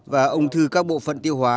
và ung thư các bộ phận tiêu hóa